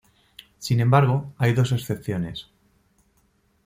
Sin embargo, hay dos excepciones.